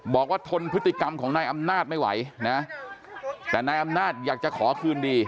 ทนพฤติกรรมของนายอำนาจไม่ไหวนะแต่นายอำนาจอยากจะขอคืนดี